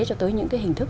cho tới những cái hình thức